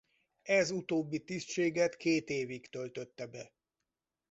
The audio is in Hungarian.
Ez utóbbi tisztséget két évig töltötte be.